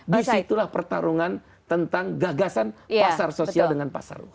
disitulah pertarungan tentang gagasan pasar sosial dengan pasar luar